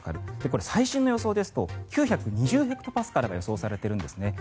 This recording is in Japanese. これ、最新の予想ですと９２０ヘクトパスカルが予想されているんですね。